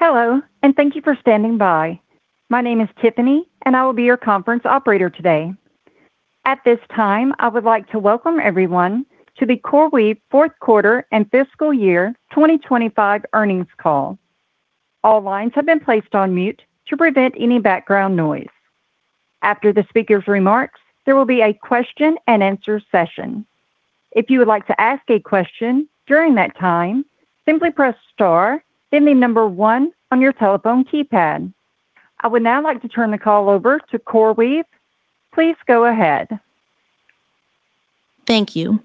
Hello, thank you for standing by. My name is Tiffany, I will be your conference operator today. At this time, I would like to welcome everyone to the CoreWeave fourth quarter and fiscal year 2025 earnings call. All lines have been placed on mute to prevent any background noise. After the speaker's remarks, there will be a question-and-answer session. If you would like to ask a question during that time, simply press star then the number one on your telephone keypad. I would now like to turn the call over to CoreWeave. Please go ahead. Thank you.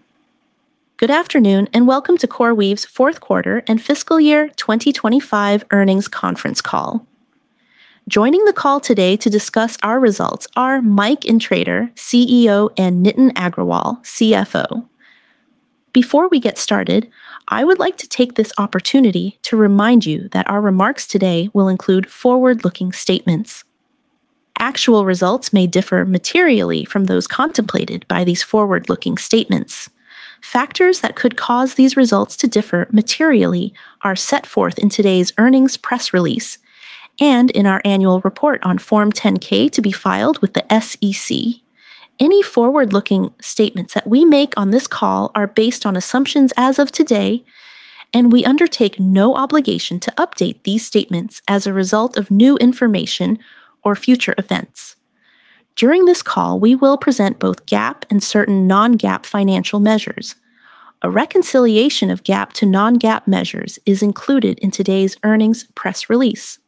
Good afternoon, and welcome to CoreWeave's fourth quarter and fiscal year 2025 earnings conference call. Joining the call today to discuss our results are Mike Intrator, CEO, and Nitin Agrawal, CFO. Before we get started, I would like to take this opportunity to remind you that our remarks today will include forward-looking statements. Actual results may differ materially from those contemplated by these forward-looking statements. Factors that could cause these results to differ materially are set forth in today's earnings press release and in our annual report on Form 10-K to be filed with the SEC. Any forward-looking statements that we make on this call are based on assumptions as of today, and we undertake no obligation to update these statements as a result of new information or future events. During this call, we will present both GAAP and certain non-GAAP financial measures. A reconciliation of GAAP to non-GAAP measures is included in today's earnings press release.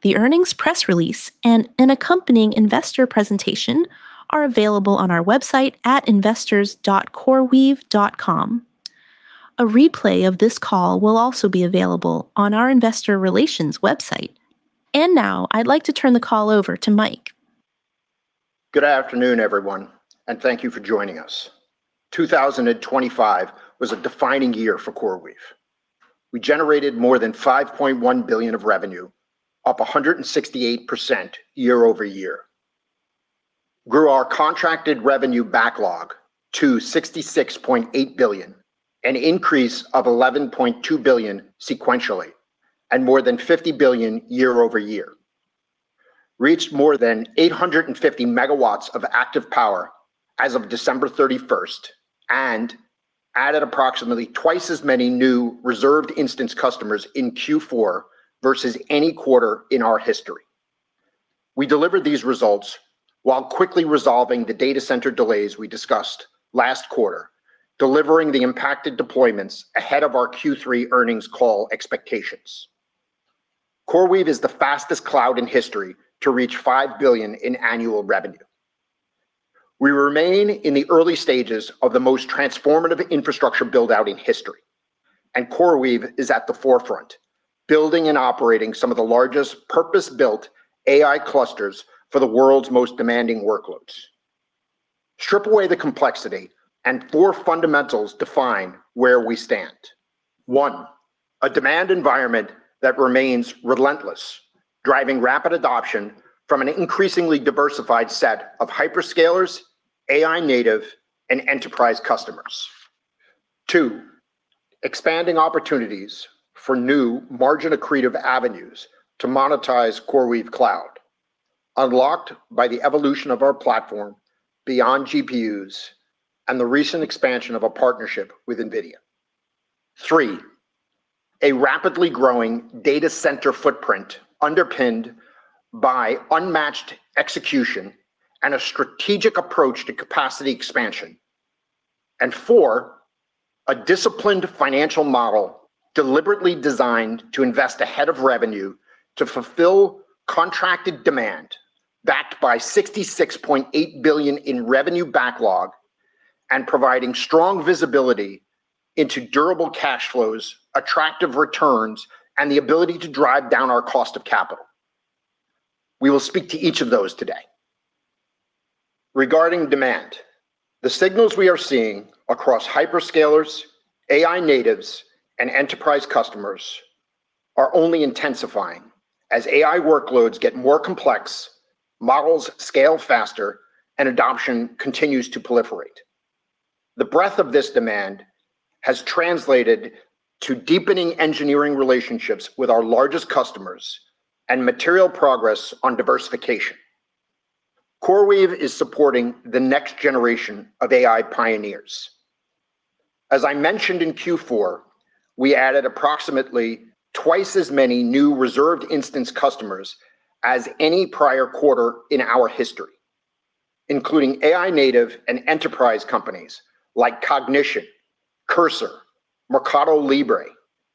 The earnings press release and an accompanying investor presentation are available on our website at investors.coreweave.com. A replay of this call will also be available on our investor relations website. Now I'd like to turn the call over to Mike. Good afternoon, everyone, and thank you for joining us. 2025 was a defining year for CoreWeave. We generated more than $5.1 billion of revenue, up 168% year-over-year, grew our contracted revenue backlog to $66.8 billion, an increase of $11.2 billion sequentially and more than $50 billion year-over-year, reached more than 850 megawatts of active power as of December 31st, and added approximately twice as many new reserved instance customers in Q4 versus any quarter in our history. We delivered these results while quickly resolving the data center delays we discussed last quarter, delivering the impacted deployments ahead of our Q3 earnings call expectations. CoreWeave is the fastest cloud in history to reach $5 billion in annual revenue. We remain in the early stages of the most transformative infrastructure build-out in history, and CoreWeave is at the forefront, building and operating some of the largest purpose-built AI clusters for the world's most demanding workloads. Strip away the complexity, and 4 fundamentals define where we stand. One, a demand environment that remains relentless, driving rapid adoption from an increasingly diversified set of hyperscalers, AI native, and enterprise customers. Two, expanding opportunities for new margin-accretive avenues to monetize CoreWeave Cloud, unlocked by the evolution of our platform beyond GPUs and the recent expansion of a partnership with NVIDIA. Thre a rapidly growing data center footprint underpinned by unmatched execution and a strategic approach to capacity expansion. Four, a disciplined financial model deliberately designed to invest ahead of revenue to fulfill contracted demand backed by $66.8 billion in revenue backlog and providing strong visibility into durable cash flows, attractive returns, and the ability to drive down our cost of capital. We will speak to each of those today. Regarding demand, the signals we are seeing across hyperscalers, AI natives, and enterprise customers are only intensifying as AI workloads get more complex, models scale faster, and adoption continues to proliferate. The breadth of this demand has translated to deepening engineering relationships with our largest customers and material progress on diversification. CoreWeave is supporting the next generation of AI pioneers. As I mentioned in Q4, we added approximately twice as many new reserved instance customers as any prior quarter in our history, including AI native and enterprise companies like Cognition, Cursor, Mercado Libre,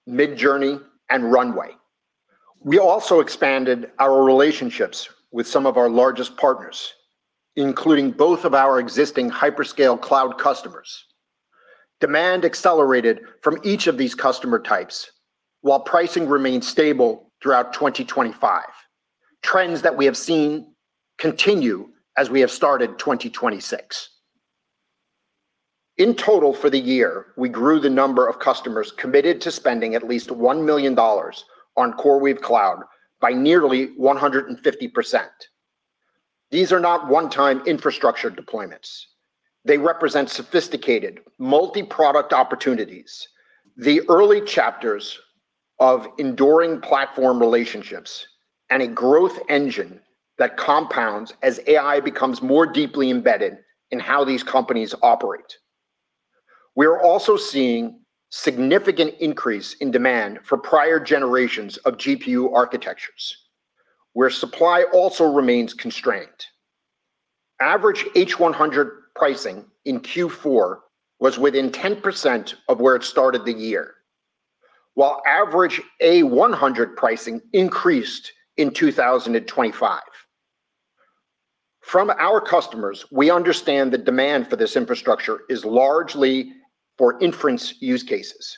Midjourney, and Runway. We also expanded our relationships with some of our largest partners, including both of our existing hyperscale cloud customers. Demand accelerated from each of these customer types while pricing remained stable throughout 2025, trends that we have seen continue as we have started 2026. In total for the year, we grew the number of customers committed to spending at least $1 million on CoreWeave Cloud by nearly 150%. These are not one-time infrastructure deployments. They represent sophisticated multi-product opportunities, the early chapters of enduring platform relationships, and a growth engine that compounds as AI becomes more deeply embedded in how these companies operate. We are also seeing significant increase in demand for prior generations of GPU architectures, where supply also remains constrained. Average H100 pricing in Q4 was within 10% of where it started the year, while average A100 pricing increased in 2025. From our customers, we understand the demand for this infrastructure is largely for inference use cases,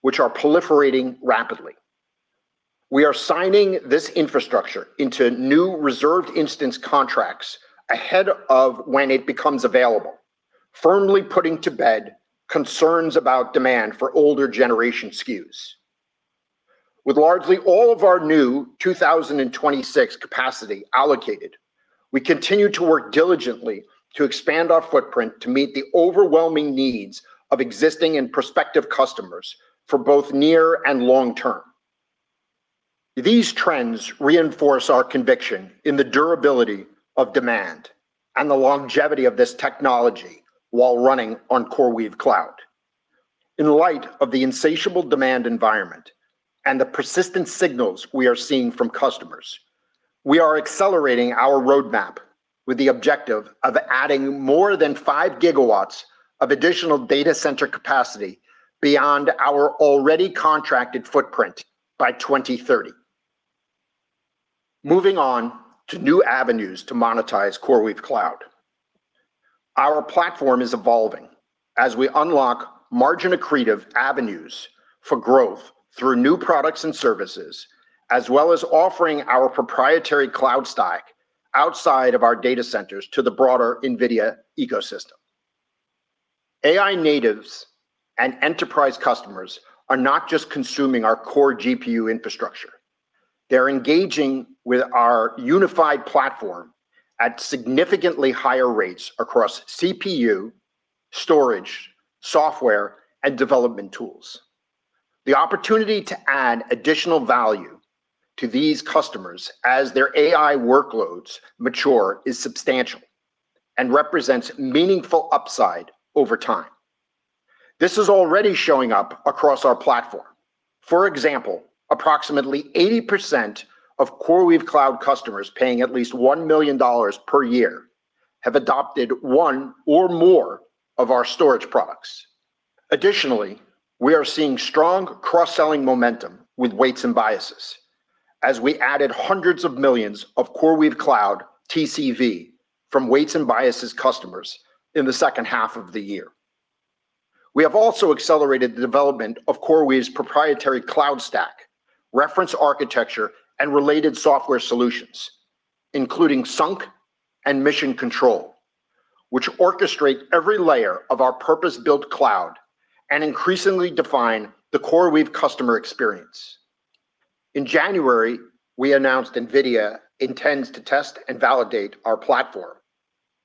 which are proliferating rapidly. We are signing this infrastructure into new reserved instance contracts ahead of when it becomes available, firmly putting to bed concerns about demand for older generation SKUs. With largely all of our new 2026 capacity allocated, we continue to work diligently to expand our footprint to meet the overwhelming needs of existing and prospective customers for both near and long term. These trends reinforce our conviction in the durability of demand and the longevity of this technology while running on CoreWeave Cloud. In light of the insatiable demand environment and the persistent signals we are seeing from customers, we are accelerating our roadmap with the objective of adding more than 5 GW of additional data center capacity beyond our already contracted footprint by 2030. Moving on to new avenues to monetize CoreWeave Cloud. Our platform is evolving as we unlock margin-accretive avenues for growth through new products and services, as well as offering our proprietary cloud stack outside of our data centers to the broader NVIDIA ecosystem. AI natives and enterprise customers are not just consuming our core GPU infrastructure. They're engaging with our unified platform at significantly higher rates across CPU, storage, software, and development tools. The opportunity to add additional value to these customers as their AI workloads mature is substantial and represents meaningful upside over time. This is already showing up across our platform. For example, approximately 80% of CoreWeave Cloud customers paying at least $1 million per year have adopted one or more of our storage products. We are seeing strong cross-selling momentum with Weights & Biases as we added hundreds of millions of CoreWeave Cloud TCV from Weights & Biases customers in the second half of the year. We have also accelerated the development of CoreWeave's proprietary cloud stack, reference architecture, and related software solutions, including SKI and Mission Control, which orchestrate every layer of our purpose-built cloud and increasingly define the CoreWeave customer experience. In January, we announced NVIDIA intends to test and validate our platform,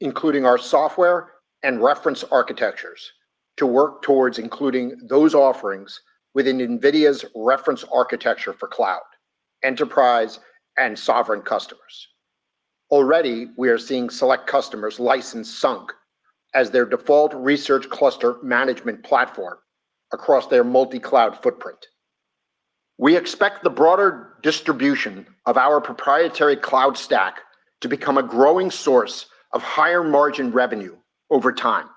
including our software and reference architectures, to work towards including those offerings within NVIDIA's reference architecture for cloud, enterprise, and sovereign customers. Already, we are seeing select customers license SKI as their default research cluster management platform across their multi-cloud footprint. We expect the broader distribution of our proprietary cloud stack to become a growing source of higher-margin revenue over time.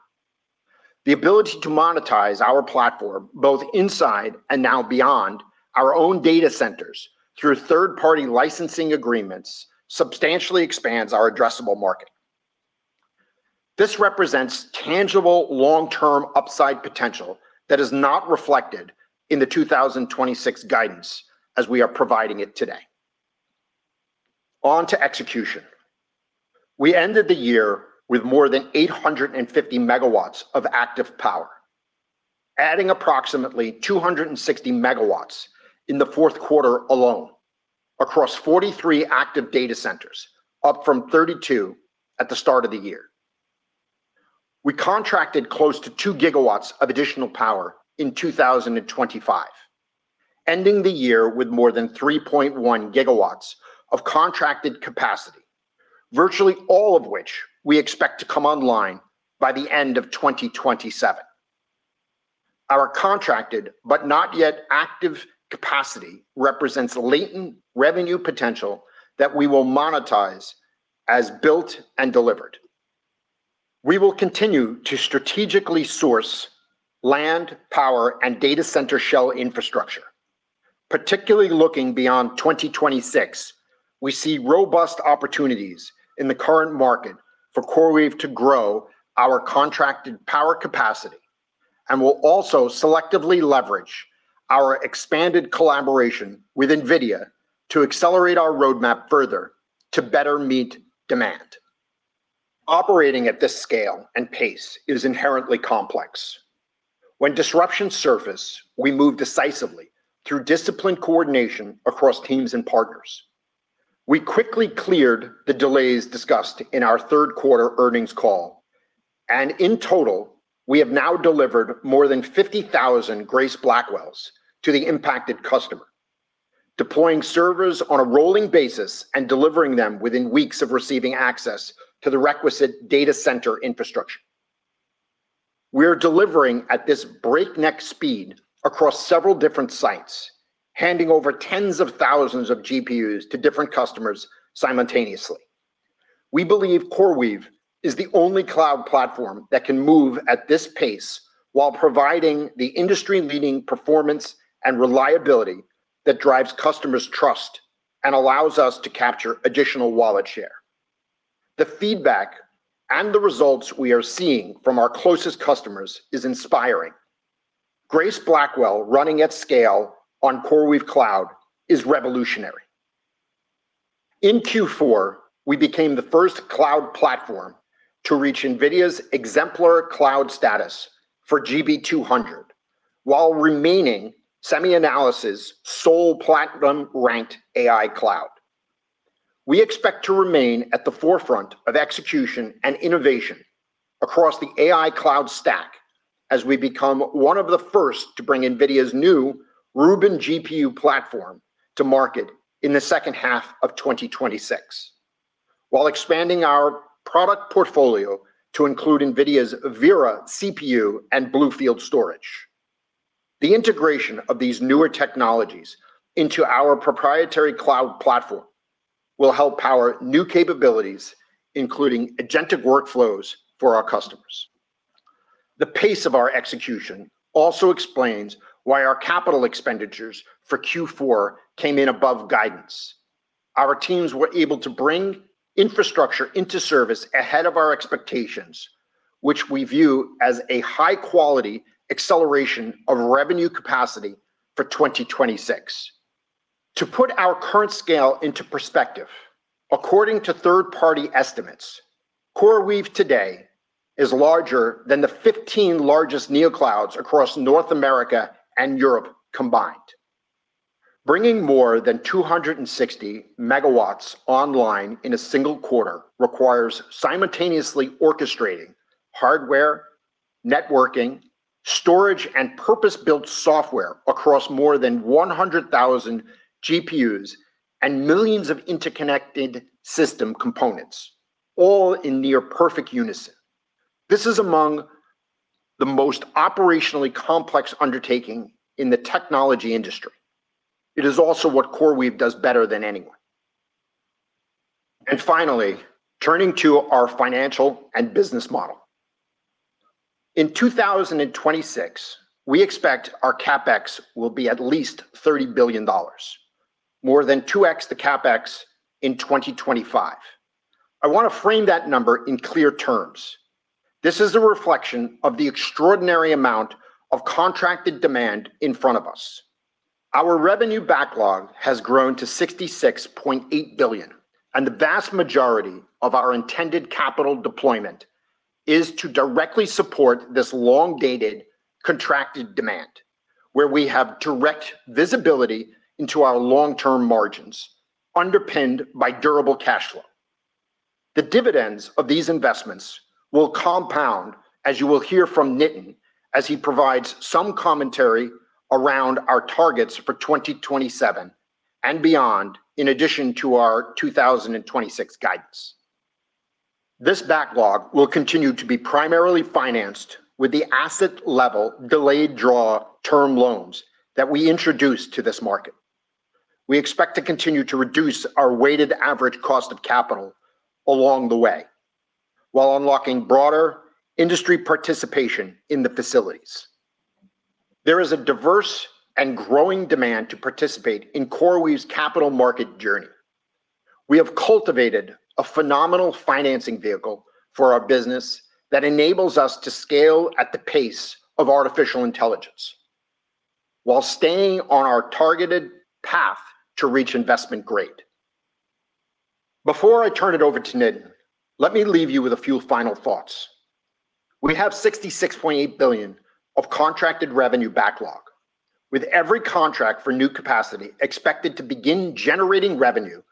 The ability to monetize our platform, both inside and now beyond our own data centers through third-party licensing agreements, substantially expands our addressable market. This represents tangible long-term upside potential that is not reflected in the 2026 guidance as we are providing it today. On to execution. We ended the year with more than 850 MW of active power, adding approximately 260 megawatts in the fourth quarter alone across 43 active data centers, up from 32 at the start of the year. We contracted close to 2 GW of additional power in 2025, ending the year with more than 3.1 gigawatts of contracted capacity, virtually all of which we expect to come online by the end of 2027. Our contracted but not yet active capacity represents latent revenue potential that we will monetize as built and delivered. We will continue to strategically source land, power, and data center shell infrastructure. Particularly looking beyond 2026, we see robust opportunities in the current market for CoreWeave to grow our contracted power capacity and will also selectively leverage our expanded collaboration with NVIDIA to accelerate our roadmap further to better meet demand. Operating at this scale and pace is inherently complex. When disruptions surface, we move decisively through disciplined coordination across teams and partners. We quickly cleared the delays discussed in our third quarter earnings call. In total, we have now delivered more than 50,000 Grace Blackwells to the impacted customer, deploying servers on a rolling basis and delivering them within weeks of receiving access to the requisite data center infrastructure. We are delivering at this breakneck speed across several different sites, handing over tens of thousands of GPUs to different customers simultaneously. We believe CoreWeave is the only cloud platform that can move at this pace while providing the industry-leading performance and reliability that drives customers' trust and allows us to capture additional wallet share. The feedback and the results we are seeing from our closest customers is inspiring. Grace Blackwell running at scale on CoreWeave Cloud is revolutionary. In Q4, we became the first cloud platform to reach NVIDIA's Exemplar Cloud status for GB200, while remaining SemiAnalysis' sole Platinum-ranked AI cloud. We expect to remain at the forefront of execution and innovation across the AI cloud stack as we become one of the first to bring NVIDIA's new Rubin GPU platform to market in the second half of 2026, while expanding our product portfolio to include NVIDIA's Vera CPU and BlueField storage. The integration of these newer technologies into our proprietary cloud platform will help power new capabilities, including agentic workflows for our customers. The pace of our execution also explains why our CapEx for Q4 came in above guidance. Our teams were able to bring infrastructure into service ahead of our expectations, which we view as a high-quality acceleration of revenue capacity for 2026. To put our current scale into perspective, according to third-party estimates, CoreWeave today is larger than the 15 largest NeoClouds across North America and Europe combined. Bringing more than 260 MW online in a single quarter requires simultaneously orchestrating hardware, networking, storage, and purpose-built software across more than 100,000 GPUs and millions of interconnected system components, all in near-perfect unison. This is among the most operationally complex undertaking in the technology industry. It is also what CoreWeave does better than anyone. Finally, turning to our financial and business model. In 2026, we expect our CapEx will be at least $30 billion, more than 2x the CapEx in 2025. I want to frame that number in clear terms. This is a reflection of the extraordinary amount of contracted demand in front of us. Our revenue backlog has grown to $66.8 billion. The vast majority of our intended capital deployment is to directly support this long-dated contracted demand, where we have direct visibility into our long-term margins underpinned by durable cash flow. The dividends of these investments will compound, as you will hear from Nitin as he provides some commentary around our targets for 2027 and beyond in addition to our 2026 guidance. This backlog will continue to be primarily financed with the asset-level delayed draw term loans that we introduced to this market. We expect to continue to reduce our weighted average cost of capital along the way while unlocking broader industry participation in the facilities. There is a diverse and growing demand to participate in CoreWeave's capital market journey. We have cultivated a phenomenal financing vehicle for our business that enables us to scale at the pace of artificial intelligence while staying on our targeted path to reach investment grade. Before I turn it over to Nitin, let me leave you with a few final thoughts. We have $66.8 billion of contracted revenue backlog, with every contract for new capacity expected to begin generating revenue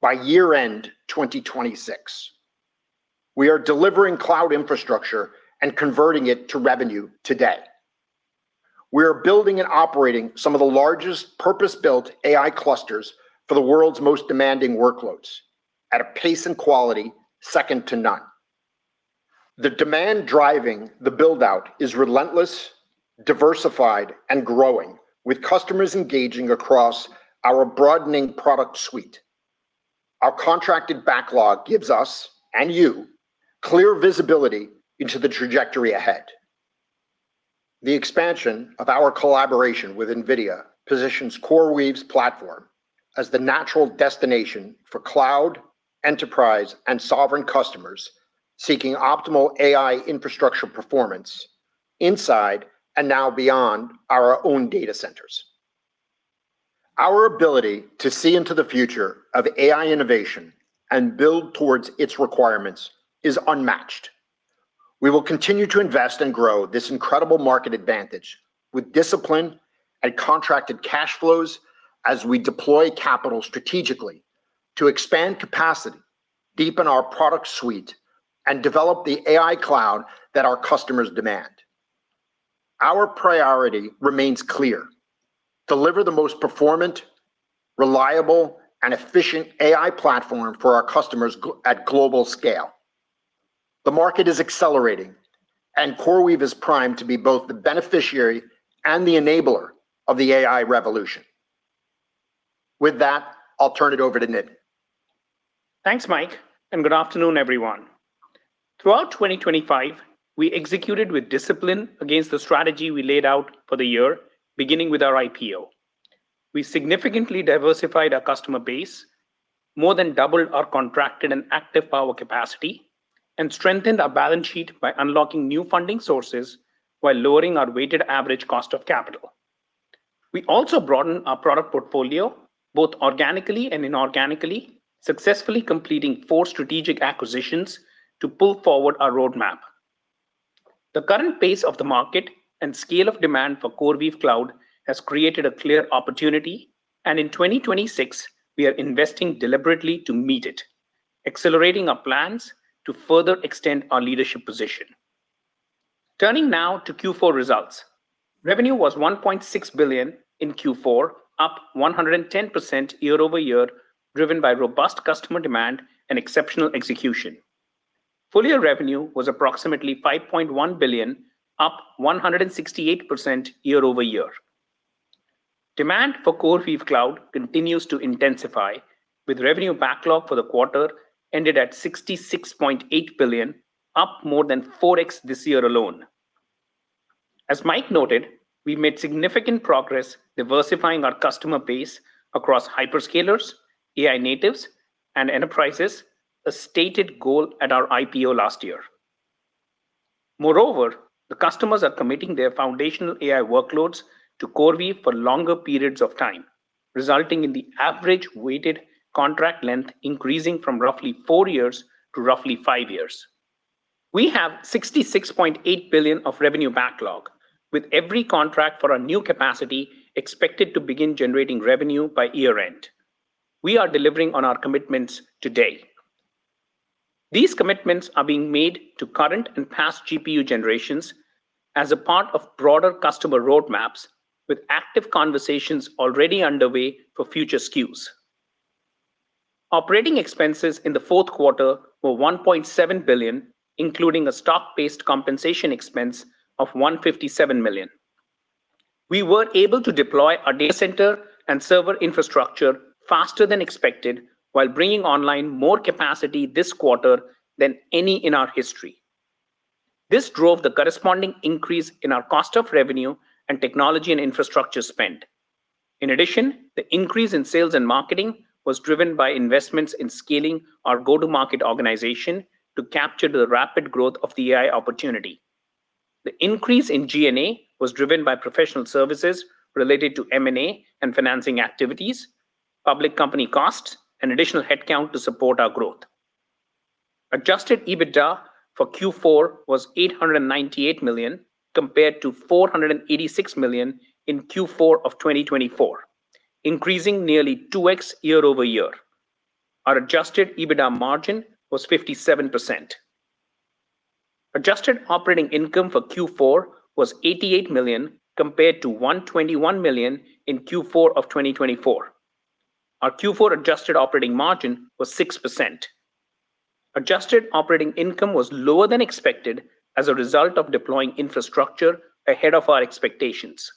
by year-end 2026. We are delivering cloud infrastructure and converting it to revenue today. We are building and operating some of the largest purpose-built AI clusters for the world's most demanding workloads at a pace and quality second to none. The demand driving the build-out is relentless, diversified, and growing, with customers engaging across our broadening product suite. Our contracted backlog gives us and you clear visibility into the trajectory ahead. The expansion of our collaboration with NVIDIA positions CoreWeave's platform as the natural destination for cloud, enterprise, and sovereign customers seeking optimal AI infrastructure performance inside and now beyond our own data centers. Our ability to see into the future of AI innovation and build towards its requirements is unmatched. We will continue to invest and grow this incredible market advantage with discipline and contracted cash flows as we deploy capital strategically to expand capacity, deepen our product suite, and develop the AI cloud that our customers demand. Our priority remains clear. Deliver the most performant, reliable, and efficient AI platform for our customers at global scale. The market is accelerating, and CoreWeave is primed to be both the beneficiary and the enabler of the AI revolution. With that, I'll turn it over to Nitin. Thanks, Mike. Good afternoon, everyone. Throughout 2025, we executed with discipline against the strategy we laid out for the year, beginning with our IPO. We significantly diversified our customer base, more than doubled our contracted and active power capacity, and strengthened our balance sheet by unlocking new funding sources while lowering our weighted average cost of capital. We also broadened our product portfolio both organically and inorganically, successfully completing four strategic acquisitions to pull forward our roadmap. The current pace of the market and scale of demand for CoreWeave Cloud has created a clear opportunity. In 2026 we are investing deliberately to meet it, accelerating our plans to further extend our leadership position. Turning now to Q4 results. Revenue was $1.6 billion in Q4, up 110% year-over-year, driven by robust customer demand and exceptional execution. Full year revenue was approximately $5.1 billion, up 168% year-over-year. Demand for CoreWeave Cloud continues to intensify, with revenue backlog for the quarter ended at $66.8 billion, up more than 4x this year alone. As Mike noted, we made significant progress diversifying our customer base across hyperscalers, AI natives, and enterprises, a stated goal at our IPO last year. Moreover, the customers are committing their foundational AI workloads to CoreWeave for longer periods of time, resulting in the average weighted contract length increasing from roughly four years to roughly five years. We have $66.8 billion of revenue backlog, with every contract for a new capacity expected to begin generating revenue by year-end. We are delivering on our commitments today. These commitments are being made to current and past GPU generations as a part of broader customer roadmaps with active conversations already underway for future SKUs. Operating expenses in the fourth quarter were $1.7 billion, including a stock-based compensation expense of $157 million. We were able to deploy our data center and server infrastructure faster than expected while bringing online more capacity this quarter than any in our history. This drove the corresponding increase in our cost of revenue and technology and infrastructure spend. In addition, the increase in sales and marketing was driven by investments in scaling our go-to-market organization to capture the rapid growth of the AI opportunity. The increase in G&A was driven by professional services related to M&A and financing activities, public company costs, and additional headcount to support our growth. Adjusted EBITDA for Q4 was $898 million compared to $486 million in Q4 of 2024, increasing nearly 2x year-over-year. Our adjusted EBITDA margin was 57%. Adjusted operating income for Q4 was $88 million compared to $121 million in Q4 of 2024. Our Q4 adjusted operating margin was 6%. Adjusted operating income was lower than expected as a result of deploying infrastructure ahead of our expectations.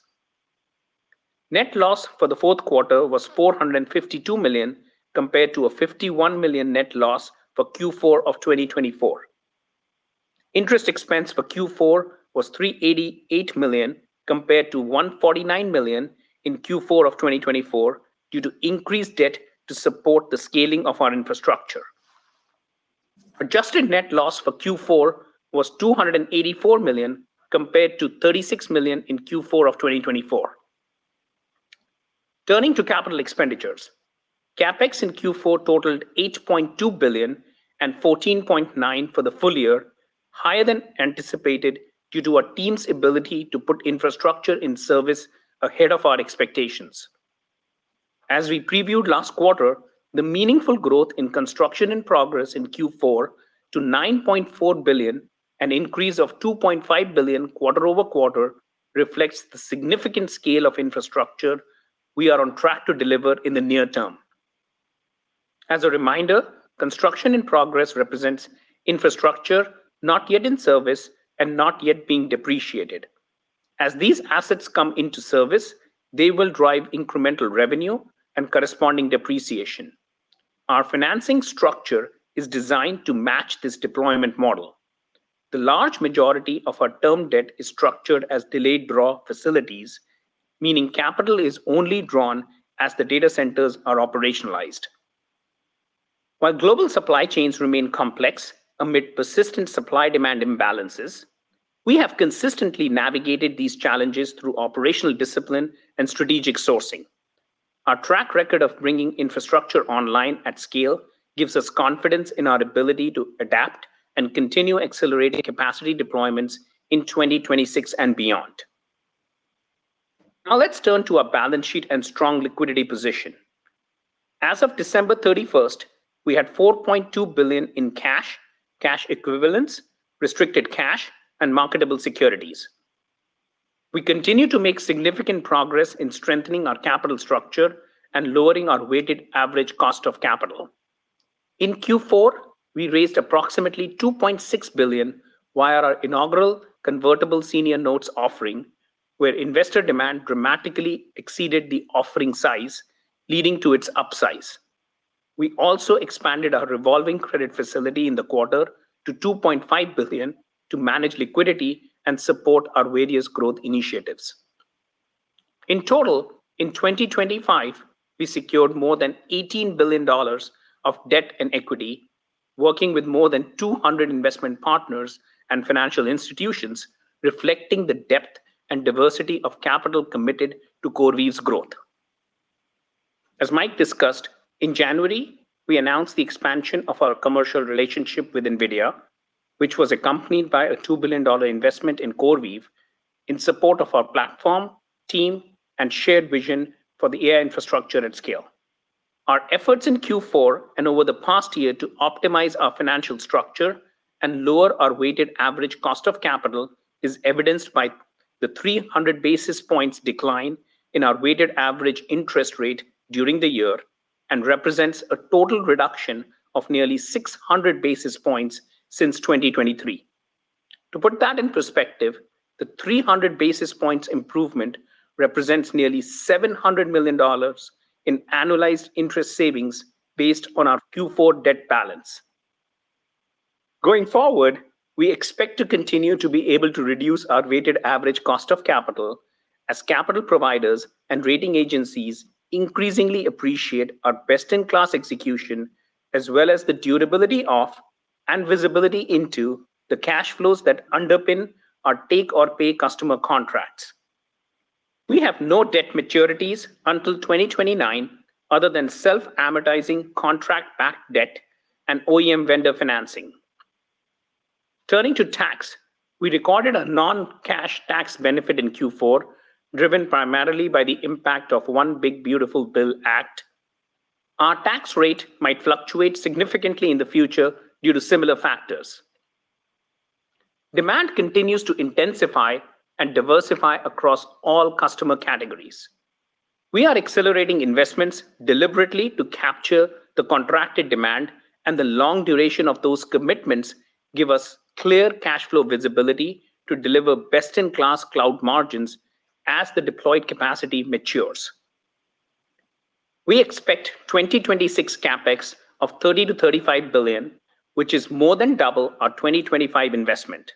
Net loss for the fourth quarter was $452 million compared to a $51 million net loss for Q4 of 2024. Interest expense for Q4 was $388 million compared to $149 million in Q4 of 2024 due to increased debt to support the scaling of our infrastructure. Adjusted net loss for Q4 was $284 million compared to $36 million in Q4 of 2024. Turning to capital expenditures. CapEx in Q4 totaled $8.2 billion and $14.9 billion for the full year, higher than anticipated due to our team's ability to put infrastructure in service ahead of our expectations. As we previewed last quarter, the meaningful growth in construction and progress in Q4 to $9.4 billion, an increase of $2.5 billion quarter-over-quarter, reflects the significant scale of infrastructure we are on track to deliver in the near term. As a reminder, construction in progress represents infrastructure not yet in service and not yet being depreciated. As these assets come into service, they will drive incremental revenue and corresponding depreciation. Our financing structure is designed to match this deployment model. The large majority of our term debt is structured as delayed draw facilities, meaning capital is only drawn as the data centers are operationalized. Global supply chains remain complex amid persistent supply-demand imbalances, we have consistently navigated these challenges through operational discipline and strategic sourcing. Our track record of bringing infrastructure online at scale gives us confidence in our ability to adapt and continue accelerating capacity deployments in 2026 and beyond. Let's turn to our balance sheet and strong liquidity position. As of December 31st, we had $4.2 billion in cash equivalents, restricted cash, and marketable securities. We continue to make significant progress in strengthening our capital structure and lowering our weighted average cost of capital. In Q4, we raised approximately $2.6 billion via our inaugural convertible senior notes offering, where investor demand dramatically exceeded the offering size, leading to its upsize. We also expanded our revolving credit facility in the quarter to $2.5 billion to manage liquidity and support our various growth initiatives. In total, in 2025, we secured more than $18 billion of debt and equity, working with more than 200 investment partners and financial institutions, reflecting the depth and diversity of capital committed to CoreWeave's growth. As Mike discussed, in January, we announced the expansion of our commercial relationship with NVIDIA, which was accompanied by a $2 billion investment in CoreWeave in support of our platform, team, and shared vision for the AI infrastructure at scale. Our efforts in Q4 and over the past year to optimize our financial structure and lower our weighted average cost of capital is evidenced by the 300 basis points decline in our weighted average interest rate during the year and represents a total reduction of nearly 600 basis points since 2023. To put that in perspective, the 300 basis points improvement represents nearly $700 million in annualized interest savings based on our Q4 debt balance. Going forward, we expect to continue to be able to reduce our weighted average cost of capital as capital providers and rating agencies increasingly appreciate our best-in-class execution as well as the durability of and visibility into the cash flows that underpin our take-or-pay customer contracts. We have no debt maturities until 2029 other than self-amortizing contract-backed debt and OEM vendor financing. Turning to tax, we recorded a non-cash tax benefit in Q4, driven primarily by the impact of One Big Beautiful Bill Act. Our tax rate might fluctuate significantly in the future due to similar factors. Demand continues to intensify and diversify across all customer categories. We are accelerating investments deliberately to capture the contracted demand and the long duration of those commitments give us clear cash flow visibility to deliver best-in-class cloud margins as the deployed capacity matures. We expect 2026 CapEx of $30 billion-$35 billion, which is more than double our 2025 investment.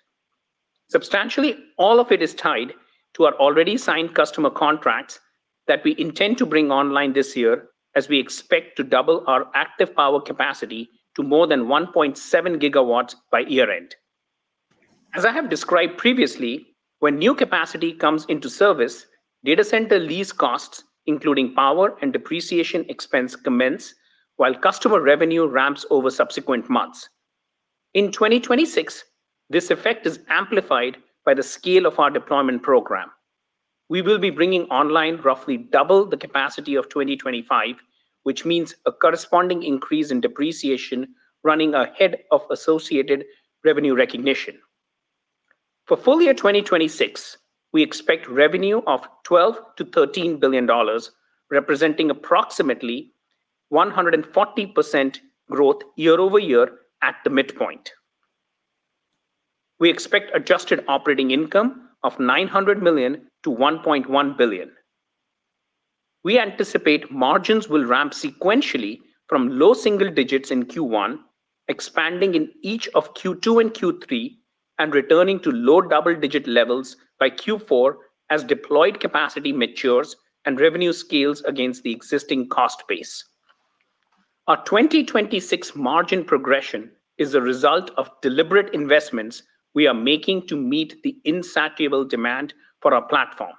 Substantially, all of it is tied to our already signed customer contracts that we intend to bring online this year as we expect to double our active power capacity to more than 1.7 GW by year-end. As I have described previously, when new capacity comes into service, data center lease costs, including power and depreciation expense commence while customer revenue ramps over subsequent months. In 2026, this effect is amplified by the scale of our deployment program. We will be bringing online roughly double the capacity of 2025, which means a corresponding increase in depreciation running ahead of associated revenue recognition. For full year 2026, we expect revenue of $12 billion-$13 billion, representing approximately 140% growth year-over-year at the midpoint. We expect adjusted operating income of $900 million-$1.1 billion. We anticipate margins will ramp sequentially from low single digits in Q1, expanding in each of Q2 and Q3, and returning to low double-digit levels by Q4 as deployed capacity matures and revenue scales against the existing cost base. Our 2026 margin progression is a result of deliberate investments we are making to meet the insatiable demand for our platform.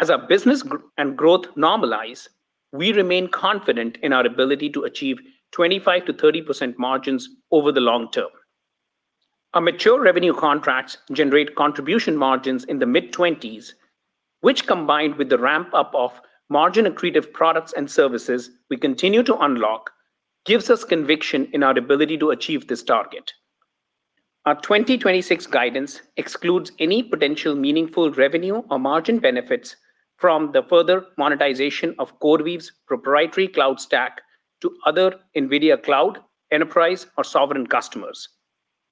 As our business and growth normalize, we remain confident in our ability to achieve 25%-30% margins over the long term. Our mature revenue contracts generate contribution margins in the mid-twenties, which combined with the ramp-up of margin-accretive products and services we continue to unlock, gives us conviction in our ability to achieve this target. Our 2026 guidance excludes any potential meaningful revenue or margin benefits from the further monetization of CoreWeave's proprietary cloud stack to other NVIDIA cloud, enterprise, or sovereign customers,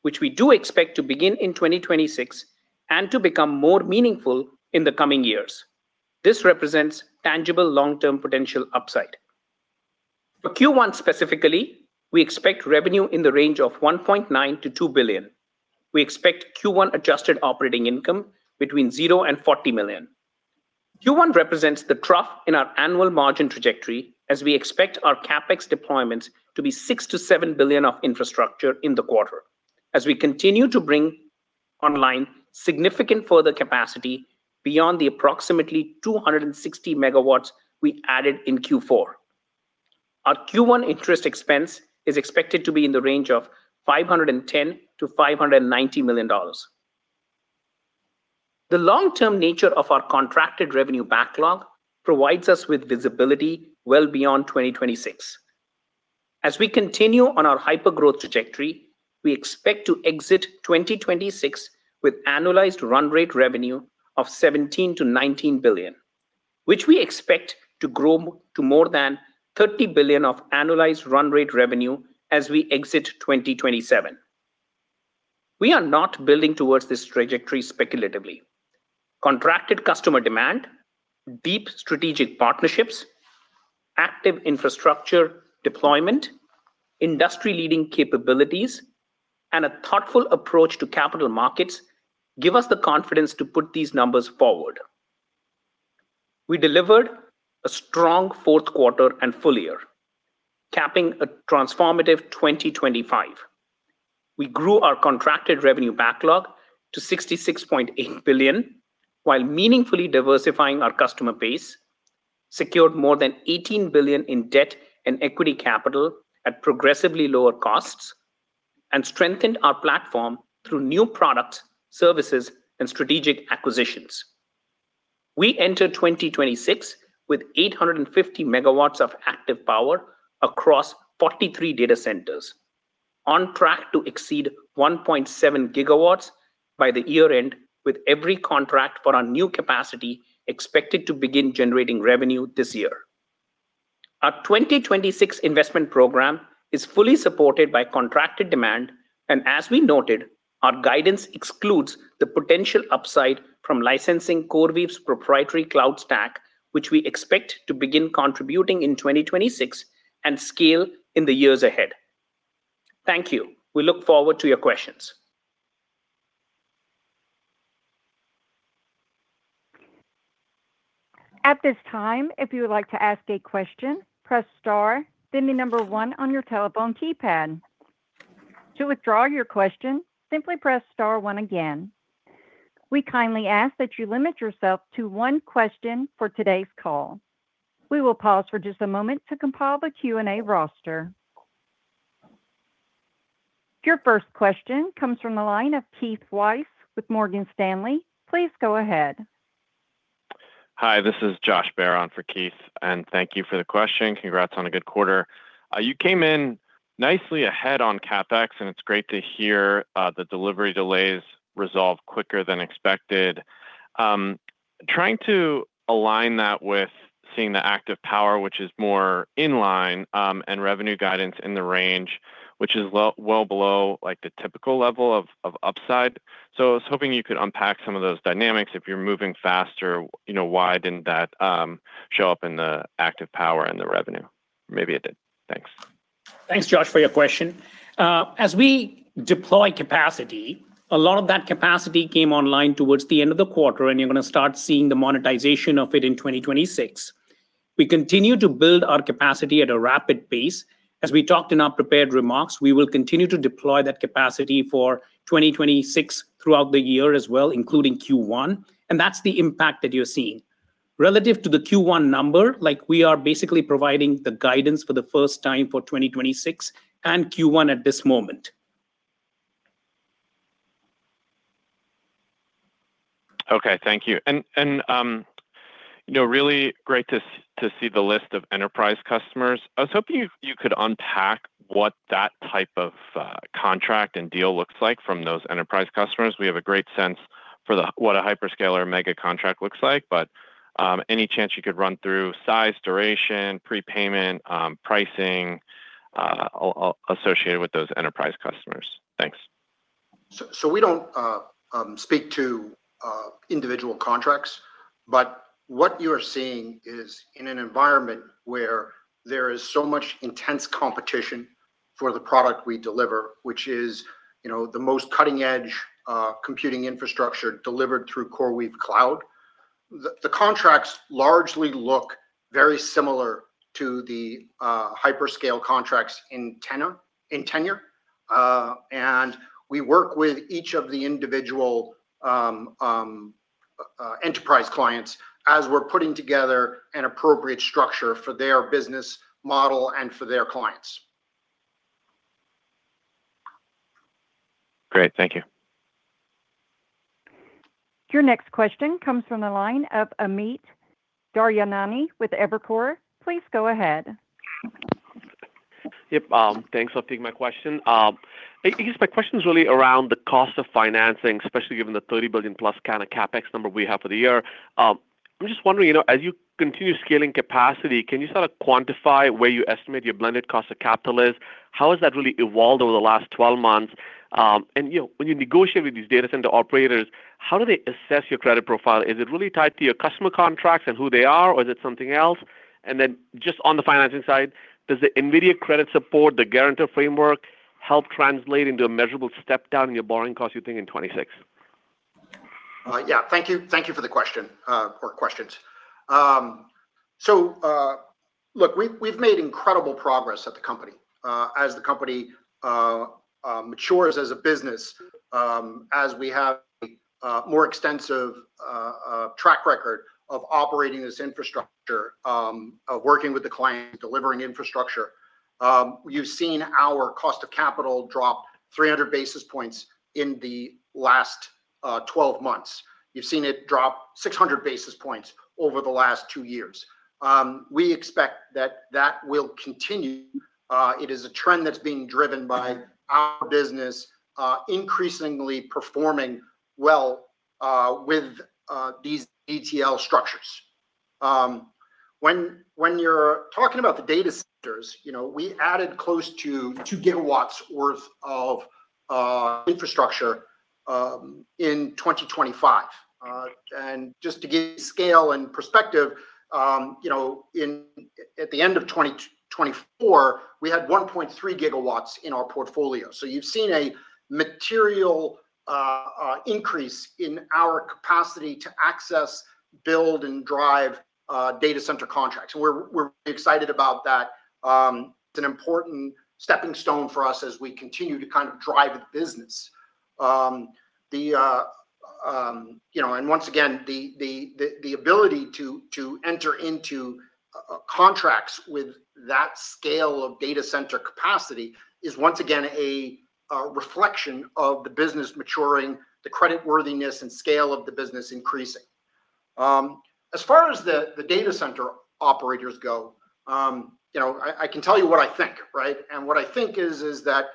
which we do expect to begin in 2026 and to become more meaningful in the coming years. This represents tangible long-term potential upside. For Q1 specifically, we expect revenue in the range of $1.9 billion-$2 billion. We expect Q1 adjusted operating income between $0 and $40 million. Q1 represents the trough in our annual margin trajectory as we expect our CapEx deployments to be $6 billion-$7 billion of infrastructure in the quarter as we continue to bring online significant further capacity beyond the approximately 260 MW we added in Q4. Our Q1 interest expense is expected to be in the range of $510 million-$590 million. The long-term nature of our contracted revenue backlog provides us with visibility well beyond 2026. As we continue on our hypergrowth trajectory, we expect to exit 2026 with annualized run rate revenue of $17 billion-$19 billion, which we expect to grow to more than $30 billion of annualized run rate revenue as we exit 2027. We are not building towards this trajectory speculatively. Contracted customer demand, deep strategic partnerships, active infrastructure deployment, industry-leading capabilities, and a thoughtful approach to capital markets give us the confidence to put these numbers forward. We delivered a strong fourth quarter and full year, capping a transformative 2025. We grew our contracted revenue backlog to $66.8 billion, while meaningfully diversifying our customer base, secured more than $18 billion in debt and equity capital at progressively lower costs, and strengthened our platform through new products, services, and strategic acquisitions. We enter 2026 with 850 MW of active power across 43 data centers on track to exceed 1.7 GW by the year-end, with every contract for our new capacity expected to begin generating revenue this year. Our 2026 investment program is fully supported by contracted demand, and as we noted, our guidance excludes the potential upside from licensing CoreWeave's proprietary cloud stack, which we expect to begin contributing in 2026 and scale in the years ahead. Thank you. We look forward to your questions. At this time, if you would like to ask a question, press star, then the one on your telephone keypad. To withdraw your question, simply press star one again. We kindly ask that you limit yourself to one question for today's call. We will pause for just a moment to compile the Q&A roster. Your first question comes from the line of Keith Weiss with Morgan Stanley. Please go ahead. Hi, this is Josh Barron for Keith, and thank you for the question. Congrats on a good quarter. You came in nicely ahead on CapEx, and it's great to hear the delivery delays resolve quicker than expected. Trying to align that with seeing the active power, which is more in line, and revenue guidance in the range, which is well, well below like the typical level of upside. I was hoping you could unpack some of those dynamics. If you're moving faster, you know, why didn't that show up in the active power and the revenue? Maybe it did. Thanks. Thanks, Josh, for your question. As we deploy capacity, a lot of that capacity came online towards the end of the quarter, and you're going to start seeing the monetization of it in 2026. We continue to build our capacity at a rapid pace. As we talked in our prepared remarks, we will continue to deploy that capacity for 2026 throughout the year as well, including Q1, and that's the impact that you're seeing. Relative to the Q1 number, like we are basically providing the guidance for the first time for 2026 and Q1 at this moment. Okay. Thank you. You know, really great to see the list of enterprise customers. I was hoping you could unpack what that type of contract and deal looks like from those enterprise customers. We have a great sense for what a hyperscaler mega contract looks like. Any chance you could run through size, duration, prepayment, pricing associated with those enterprise customers? Thanks. We don't speak to individual contracts, but what you're seeing is in an environment where there is so much intense competition for the product we deliver, which is, you know, the most cutting-edge computing infrastructure delivered through CoreWeave Cloud. The contracts largely look very similar to the hyperscale contracts in tenure, and we work with each of the individual enterprise clients as we're putting together an appropriate structure for their business model and for their clients. Great. Thank you. Your next question comes from the line of Amit Daryanani with Evercore. Please go ahead. Thanks for taking my question. Amit, just my question is really around the cost of financing, especially given the $30 billion+ kind of CapEx number we have for the year. I'm just wondering, you know, as you continue scaling capacity, can you sort of quantify where you estimate your blended cost of capital is? How has that really evolved over the last 12 months? And, you know, when you negotiate with these data center operators, how do they assess your credit profile? Is it really tied to your customer contracts and who they are, or is it something else? Then just on the financing side, does the NVIDIA credit support the guarantor framework? Help translate into a measurable step down in your borrowing cost, you think in 2026. Yeah. Thank you. Thank you for the question or questions. Look, we've made incredible progress at the company. As the company matures as a business, as we have more extensive track record of operating this infrastructure, of working with the clients, delivering infrastructure, you've seen our cost of capital drop 300 basis points in the last 12 months. You've seen it drop 600 basis points over the last two years. We expect that that will continue. It is a trend that's being driven by our business, increasingly performing well, with these ETL structures. When you're talking about the data centers, you know, we added close to 2 GW worth of infrastructure in 2025. Just to give you scale and perspective, you know, at the end of 2024, we had 1.3 gigawatts in our portfolio. You've seen a material increase in our capacity to access, build, and drive data center contracts. We're excited about that. It's an important stepping stone for us as we continue to kind of drive the business. The, you know, once again, the ability to enter into contracts with that scale of data center capacity is, once again, a reflection of the business maturing, the creditworthiness and scale of the business increasing. As far as the data center operators go, you know, I can tell you what I think, right? What I think is that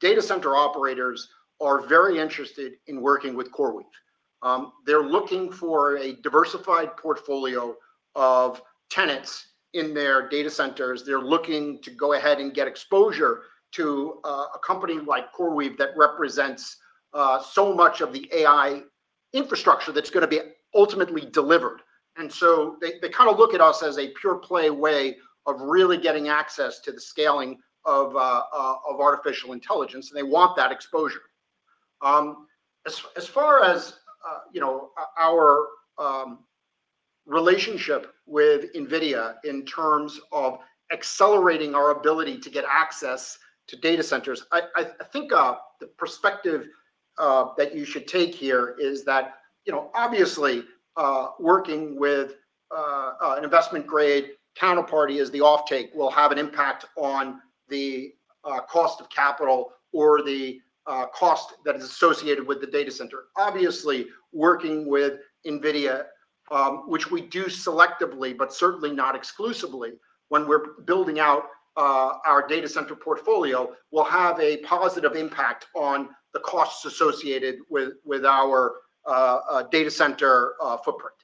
data center operators are very interested in working with CoreWeave. They're looking for a diversified portfolio of tenants in their data centers. They're looking to go ahead and get exposure to a company like CoreWeave that represents so much of the AI infrastructure that's gonna be ultimately delivered. They, they kind of look at us as a pure play way of really getting access to the scaling of artificial intelligence, and they want that exposure. As far as, you know, our relationship with NVIDIA in terms of accelerating our ability to get access to data centers, I think the perspective that you should take here is that, you know, obviously, working with an investment-grade counterparty as the offtake will have an impact on the cost of capital or the cost that is associated with the data center. Obviously, working with NVIDIA, which we do selectively but certainly not exclusively when we're building out our data center portfolio, will have a positive impact on the costs associated with our data center footprint.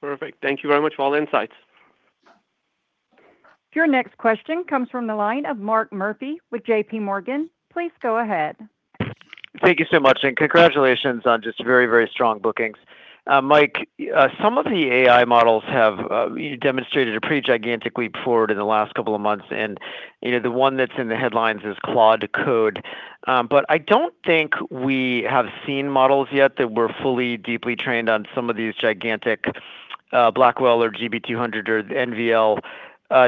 Perfect. Thank you very much for all the insights. Your next question comes from the line of Mark Murphy with J.P. Morgan. Please go ahead. Thank you so much, congratulations on just very, very strong bookings. Mike, some of the AI models have demonstrated a pretty gigantic leap forward in the last couple of months. you know, the one that's in the headlines is Claude. I don't think we have seen models yet that were fully, deeply trained on some of these gigantic Blackwell or GB200 or NVL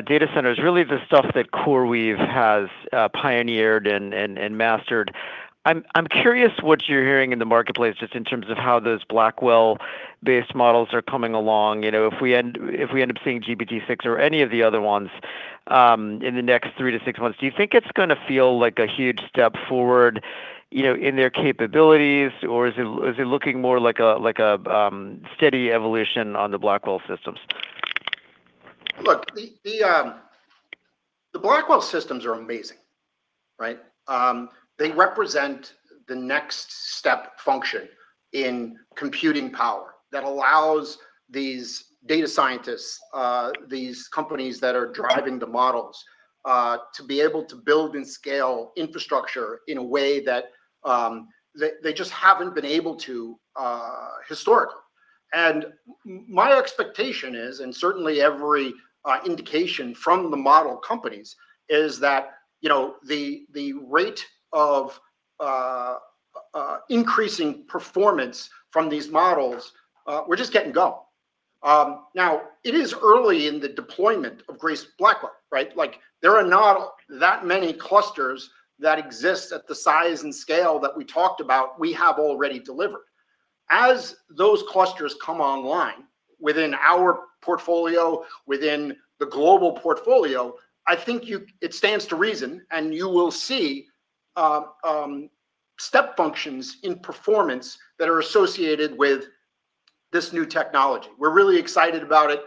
data centers, really the stuff that CoreWeave has pioneered and mastered. I'm curious what you're hearing in the marketplace just in terms of how those Blackwell-based models are coming along? You know, if we end up seeing GB6 or any of the other ones, in the next three to six months, do you think it's gonna feel like a huge step forward, you know, in their capabilities, or is it looking more like a, like a steady evolution on the Blackwell systems? Look, the Blackwell systems are amazing, right? They represent the next step function in computing power that allows these data scientists, these companies that are driving the models, to be able to build and scale infrastructure in a way that they just haven't been able to historically. My expectation is, and certainly every indication from the model companies is that, you know, the rate of increasing performance from these models, we're just getting going. Now it is early in the deployment of Grace Blackwell, right? There are not that many clusters that exist at the size and scale that we talked about we have already delivered. As those clusters come online within our portfolio, within the global portfolio, I think you... It stands to reason, you will see step functions in performance that are associated with this new technology. We're really excited about it,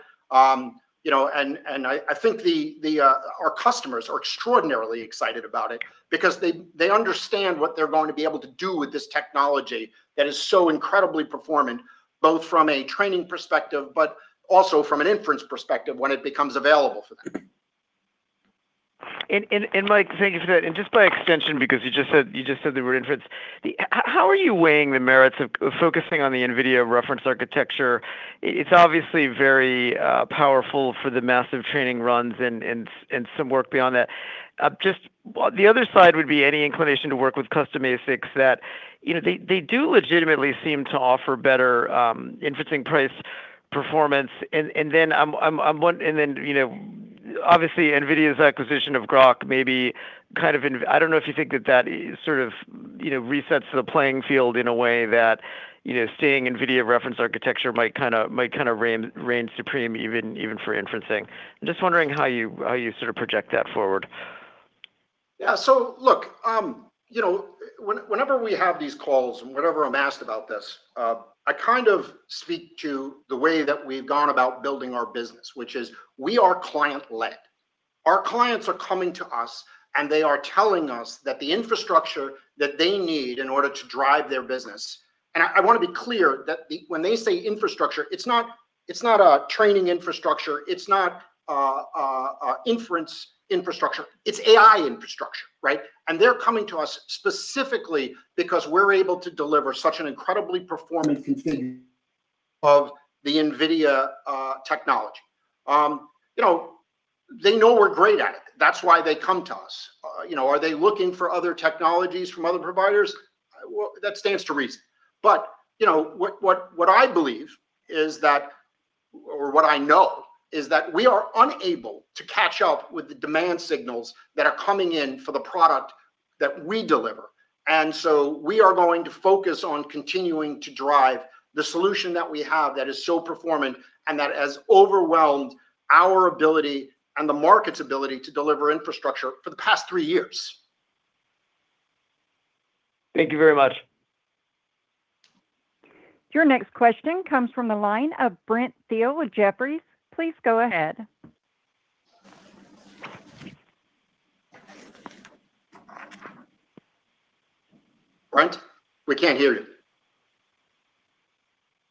you know, I think our customers are extraordinarily excited about it because they understand what they're going to be able to do with this technology that is so incredibly performant, both from a training perspective, but also from an inference perspective when it becomes available for them. Mike, thank you for that. Just by extension, because you just said the word inference, how are you weighing the merits of focusing on the NVIDIA reference architecture? It's obviously very powerful for the massive training runs and some work beyond that. Just the other side would be any inclination to work with custom ASICs that, you know, they do legitimately seem to offer better inferencing price performance. Then, you know, obviously NVIDIA's acquisition of Groq may be kind of in... I don't know if you think that that sort of, you know, resets the playing field in a way that, you know, seeing NVIDIA reference architecture might kind of reign supreme even for inferencing? I'm just wondering how you sort of project that forward. Yeah. Look, you know, whenever we have these calls, whenever I'm asked about this, I kind of speak to the way that we've gone about building our business, which is we are client-led. Our clients are coming to us, they are telling us that the infrastructure that they need in order to drive their business. I wanna be clear that when they say infrastructure, it's not, it's not a training infrastructure, it's not a inference infrastructure, it's AI infrastructure, right? They're coming to us specifically because we're able to deliver such an incredibly performant continue of the NVIDIA technology. You know, they know we're great at it. That's why they come to us. You know, are they looking for other technologies from other providers? Well, that stands to reason. You know, what I believe is that, or what I know is that we are unable to catch up with the demand signals that are coming in for the product that we deliver. We are going to focus on continuing to drive the solution that we have that is so performant and that has overwhelmed our ability and the market's ability to deliver infrastructure for the past three years. Thank you very much. Your next question comes from the line of Brent Thill with Jefferies. Please go ahead. Brent, we can't hear you.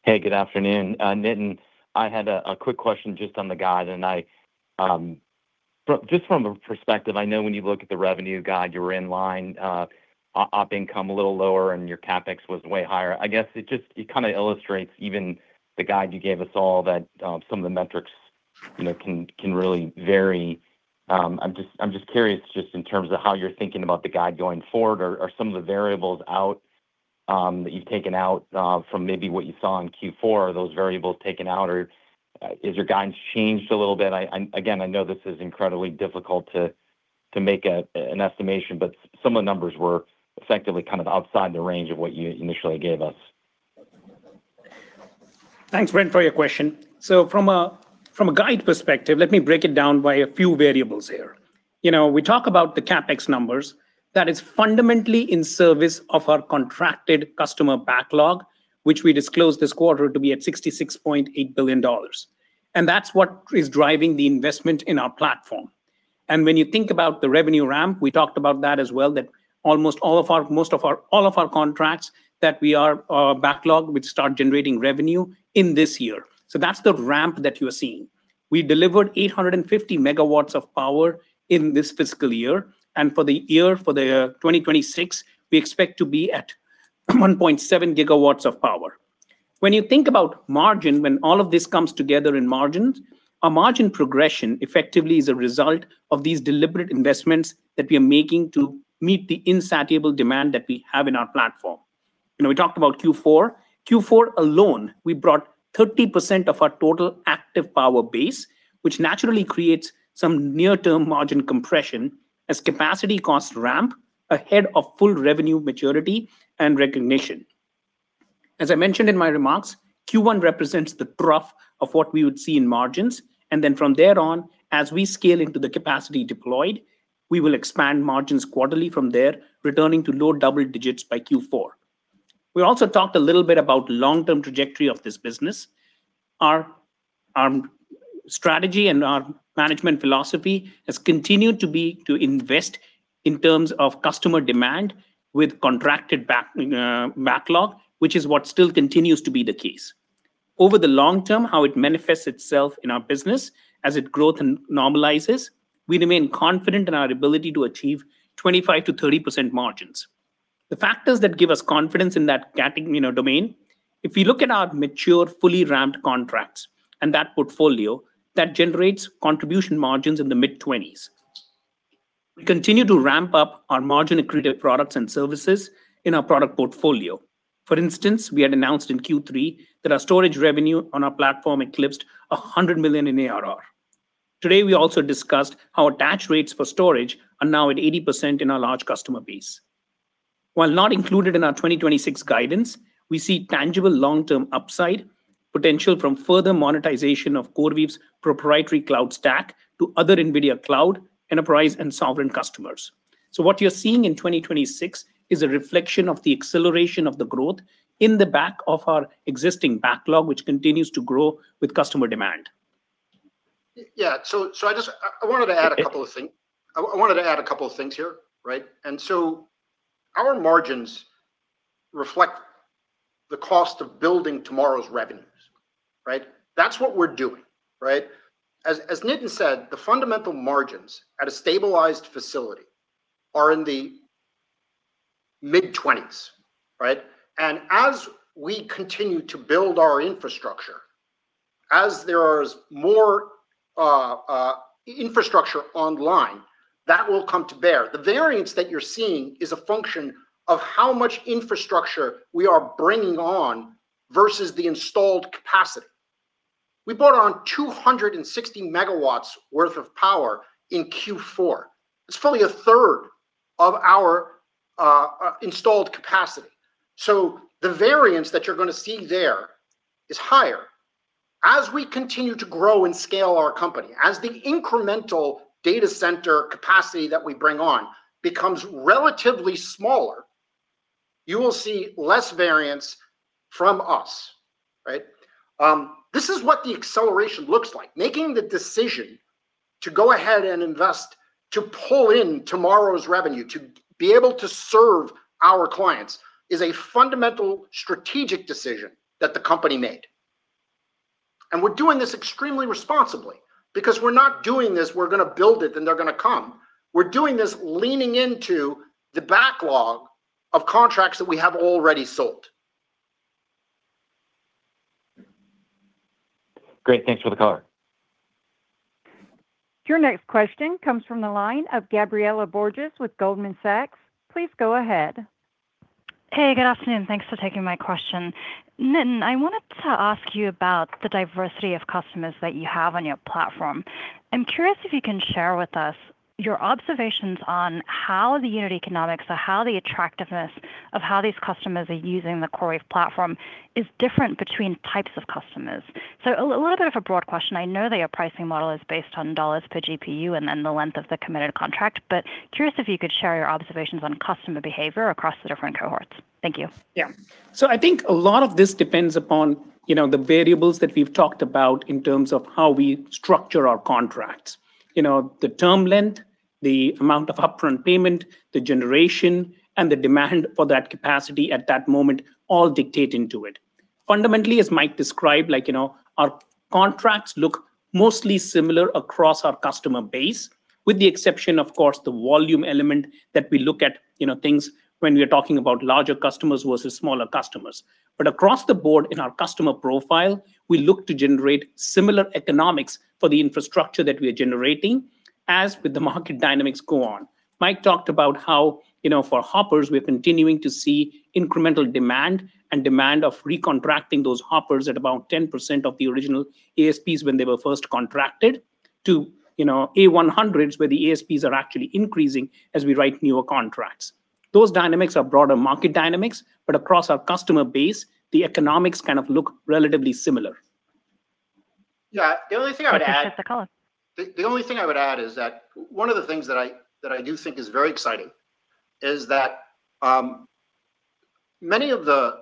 Hey, good afternoon. Nitin, I had a quick question just on the guide. I, just from a perspective, I know when you look at the revenue guide, you were in line, op income a little lower, and your CapEx was way higher. It kinda illustrates even the guide you gave us all that, some of the metrics, you know, can really vary. I'm just curious just in terms of how you're thinking about the guide going forward. Are some of the variables out that you've taken out from maybe what you saw in Q4? Are those variables taken out, or is your guidance changed a little bit? I again, I know this is incredibly difficult to make an estimation, but some of the numbers were effectively kind of outside the range of what you initially gave us. Thanks, Brent, for your question. From a guide perspective, let me break it down by a few variables here. You know, we talk about the CapEx numbers. That is fundamentally in service of our contracted customer backlog, which we disclosed this quarter to be at $66.8 billion. That's what is driving the investment in our platform. When you think about the revenue ramp, we talked about that as well, that almost all of our contracts that we are backlogged would start generating revenue in this year. That's the ramp that you are seeing. We delivered 850 megawatts of power in this fiscal year. For the year, for 2026, we expect to be at 1.7 gigawatts of power. When you think about margin, when all of this comes together in margins, our margin progression effectively is a result of these deliberate investments that we are making to meet the insatiable demand that we have in our platform. You know, we talked about Q4. Q4 alone, we brought 30% of our total active power base, which naturally creates some near-term margin compression as capacity costs ramp ahead of full revenue maturity and recognition. As I mentioned in my remarks, Q1 represents the trough of what we would see in margins. From there on, as we scale into the capacity deployed, we will expand margins quarterly from there, returning to low double digits by Q4. We also talked a little bit about long-term trajectory of this business. Our strategy and our management philosophy has continued to be to invest in terms of customer demand with contracted backlog, which is what still continues to be the case. Over the long term, how it manifests itself in our business as its growth normalizes, we remain confident in our ability to achieve 25%-30% margins. The factors that give us confidence in that category, you know, domain, if you look at our mature, fully ramped contracts and that portfolio, that generates contribution margins in the mid-20s. We continue to ramp up our margin-accretive products and services in our product portfolio. For instance, we had announced in Q3 that our storage revenue on our platform eclipsed $100 million in ARR. Today, we also discussed how attach rates for storage are now at 80% in our large customer base. While not included in our 2026 guidance, we see tangible long-term upside potential from further monetization of CoreWeave's proprietary cloud stack to other NVIDIA cloud, enterprise, and sovereign customers. What you're seeing in 2026 is a reflection of the acceleration of the growth in the back of our existing backlog, which continues to grow with customer demand. Yeah. I wanted to add a couple of things here, right? Our margins reflect the cost of building tomorrow's revenues, right? That's what we're doing, right? As Nitin said, the fundamental margins at a stabilized facility are in the mid-twenties, right? As we continue to build our infrastructure, as there is more infrastructure online, that will come to bear. The variance that you're seeing is a function of how much infrastructure we are bringing on versus the installed capacity. We brought on 260 MW worth of power in Q4. It's fully a third of our installed capacity. The variance that you're gonna see there is higher. As we continue to grow and scale our company, as the incremental data center capacity that we bring on becomes relatively smaller, you will see less variance from us, right? This is what the acceleration looks like. Making the decision to go ahead and invest to pull in tomorrow's revenue, to be able to serve our clients, is a fundamental strategic decision that the company made. We're doing this extremely responsibly because we're not doing this, we're gonna build it, then they're gonna come. We're doing this leaning into the backlog of contracts that we have already sold. Great. Thanks for the color. Your next question comes from the line of Gabriela Borges with Goldman Sachs. Please go ahead. Hey, good afternoon. Thanks for taking my question. Nitin, I wanted to ask you about the diversity of customers that you have on your platform. I'm curious if you can share with us your observations on how the unit economics or how the attractiveness of how these customers are using the CoreWeave platform is different between types of customers. A little bit of a broad question. I know that your pricing model is based on dollars per GPU and then the length of the committed contract, but curious if you could share your observations on customer behavior across the different cohorts. Thank you. I think a lot of this depends upon, you know, the variables that we've talked about in terms of how we structure our contracts. You know, the term length, the amount of upfront payment, the generation, and the demand for that capacity at that moment all dictate into it. Fundamentally, as Mike described, like, you know, our contracts look mostly similar across our customer base, with the exception of course the volume element that we look at, you know, things when we're talking about larger customers versus smaller customers. Across the board in our customer profile, we look to generate similar economics for the infrastructure that we are generating as with the market dynamics go on. Mike talked about how, you know, for Hoppers, we're continuing to see incremental demand and demand of recontracting those Hoppers at about 10% of the original ASPs when they were first contracted to, you know, A100s where the ASPs are actually increasing as we write newer contracts. Those dynamics are broader market dynamics, but across our customer base, the economics kind of look relatively similar. Yeah. The only thing I would add- Thank you. Thanks for the color. The only thing I would add is that one of the things that I, that I do think is very exciting is that many of the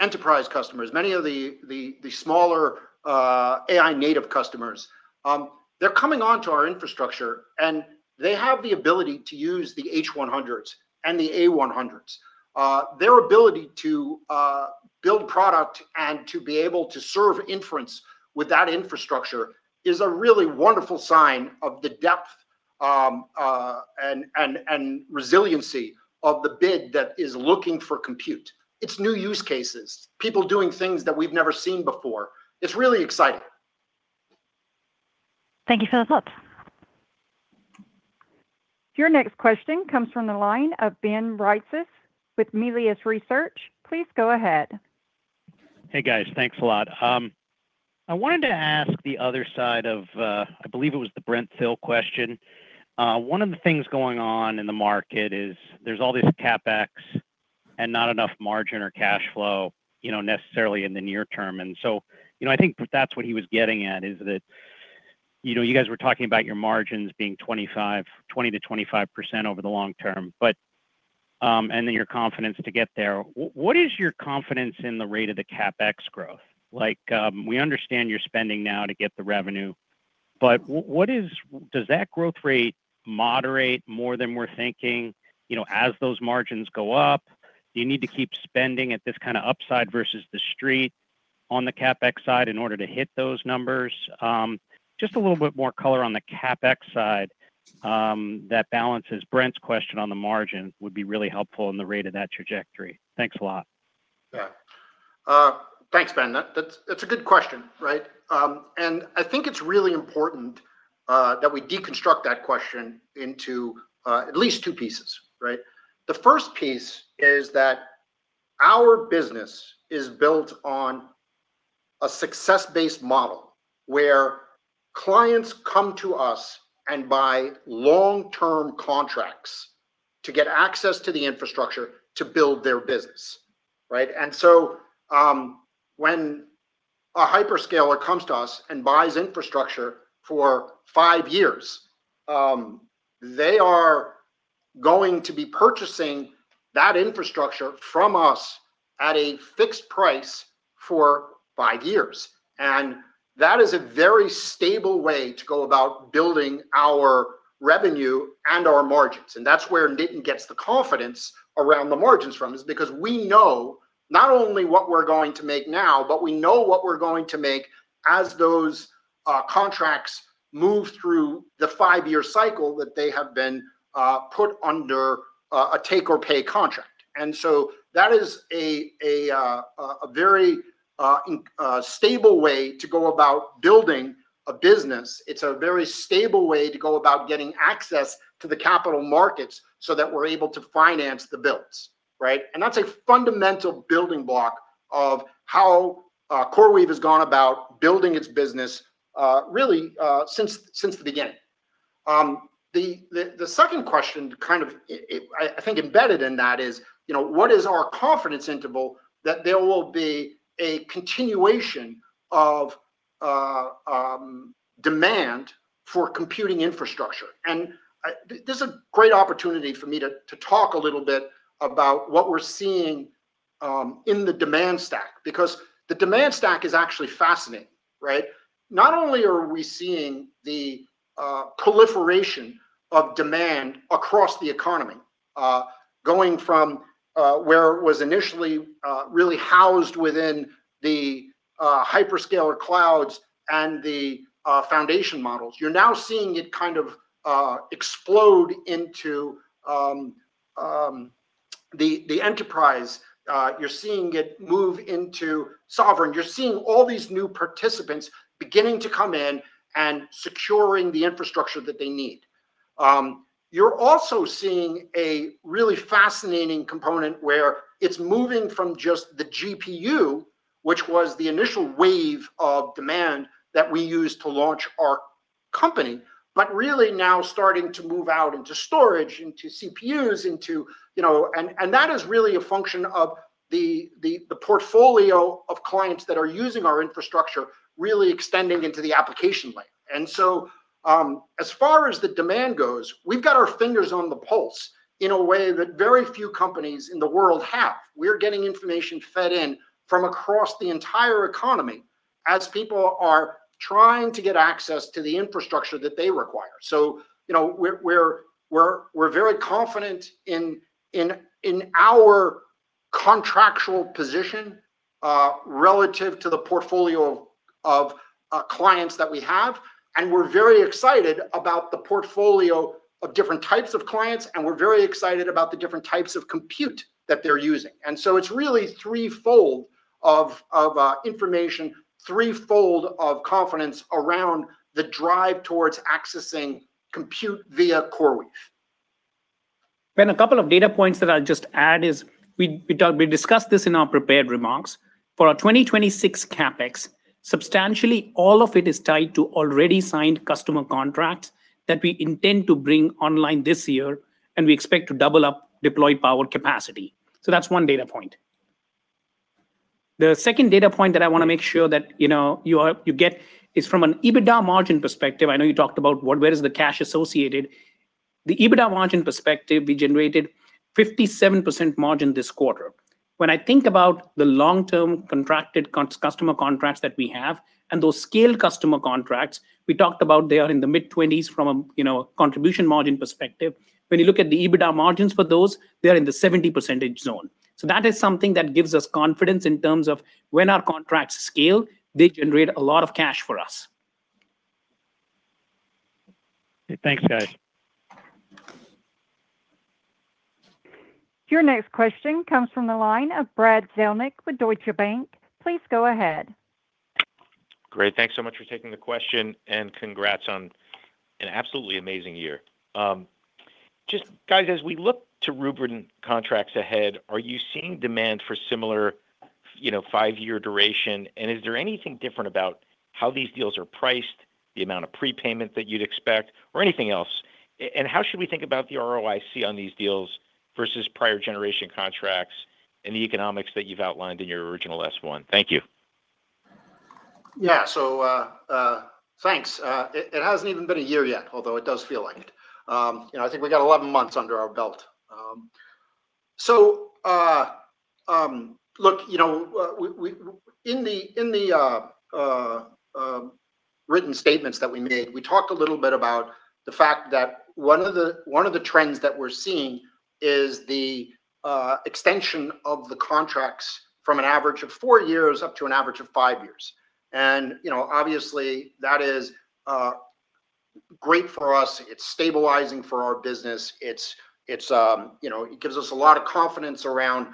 enterprise customers, many of the smaller, AI native customers, they're coming onto our infrastructure. They have the ability to use the H100s and the A100s. Their ability to build product and to be able to serve inference with that infrastructure is a really wonderful sign of the depth and resiliency of the bid that is looking for compute. It's new use cases, people doing things that we've never seen before. It's really exciting. Thank you for the thoughts. Your next question comes from the line of Ben Reitzes with Melius Research. Please go ahead. Hey, guys. Thanks a lot. I wanted to ask the other side of, I believe it was the Brent Thill question. One of the things going on in the market is there's all this CapEx and not enough margin or cash flow, you know, necessarily in the near term. You know, I think that's what he was getting at, is that, you know, you guys were talking about your margins being 20%-25% over the long term, but then your confidence to get there. What is your confidence in the rate of the CapEx growth? Like, we understand you're spending now to get the revenue, but does that growth rate moderate more than we're thinking, you know, as those margins go up? Do you need to keep spending at this kind of upside versus the street on the CapEx side in order to hit those numbers? Just a little bit more color on the CapEx side, that balances Brent's question on the margin would be really helpful and the rate of that trajectory. Thanks a lot. Yeah. Thanks, Ben. That's a good question, right? I think it's really important that we deconstruct that question into at least two pieces, right? The first piece is that our business is built on a success-based model, where clients come to us and buy long-term contracts to get access to the infrastructure to build their business, right? When a hyperscaler comes to us and buys infrastructure for five years, they are going to be purchasing that infrastructure from us at a fixed price. For five years. That is a very stable way to go about building our revenue and our margins. That's where Nitin gets the confidence around the margins from, is because we know not only what we're going to make now, but we know what we're going to make as those contracts move through the five-year cycle that they have been put under a take-or-pay contract. That is a very stable way to go about building a business. It's a very stable way to go about getting access to the capital markets so that we're able to finance the builds, right? That's a fundamental building block of how CoreWeave has gone about building its business, really, since the beginning. The second question kind of I think embedded in that is, you know, what is our confidence interval that there will be a continuation of demand for computing infrastructure? This is a great opportunity for me to talk a little bit about what we're seeing in the demand stack, because the demand stack is actually fascinating, right? Not only are we seeing the proliferation of demand across the economy, going from where it was initially really housed within the hyperscaler clouds and the foundation models. You're now seeing it kind of explode into the enterprise. You're seeing it move into sovereign. You're seeing all these new participants beginning to come in and securing the infrastructure that they need. You're also seeing a really fascinating component where it's moving from just the GPU, which was the initial wave of demand that we used to launch our company, but really now starting to move out into storage, into CPUs, into, you know. That is really a function of the portfolio of clients that are using our infrastructure really extending into the application layer. As far as the demand goes, we've got our fingers on the pulse in a way that very few companies in the world have. We're getting information fed in from across the entire economy as people are trying to get access to the infrastructure that they require. You know, we're very confident in our contractual position relative to the portfolio of clients that we have, and we're very excited about the portfolio of different types of clients, and we're very excited about the different types of compute that they're using. It's really threefold of information, threefold of confidence around the drive towards accessing compute via CoreWeave. Ben, a couple of data points that I'll just add is we discussed this in our prepared remarks. For our 2026 CapEx, substantially all of it is tied to already signed customer contracts that we intend to bring online this year, and we expect to double up deployed power capacity. That's one data point. The second data point that I want to make sure that, you know, you get is from an EBITDA margin perspective. I know you talked about what, where is the cash associated. The EBITDA margin perspective, we generated 57% margin this quarter. When I think about the long-term contracted customer contracts that we have and those scale customer contracts, we talked about they are in the mid-20s from a, you know, contribution margin perspective. When you look at the EBITDA margins for those, they're in the 70% zone. That is something that gives us confidence in terms of when our contracts scale, they generate a lot of cash for us. Thanks, guys. Your next question comes from the line of Brad Zelnick with Deutsche Bank. Please go ahead. Great. Thanks so much for taking the question, congrats on an absolutely amazing year. Just guys, as we look to renewals and contracts ahead, are you seeing demand for similar you know, 5-year duration? Is there anything different about how these deals are priced, the amount of prepayment that you'd expect, or anything else? How should we think about the ROIC on these deals versus prior generation contracts and the economics that you've outlined in your original S-1? Thank you. Thanks. It hasn't even been a year yet, although it does feel like it. You know, I think we got 11 months under our belt. So, look, you know, in the written statements that we made, we talked a little bit about the fact that one of the trends that we're seeing is the extension of the contracts from an average of four years up to an average of five years. You know, obviously, that is great for us. It's stabilizing for our business. It's, you know, it gives us a lot of confidence around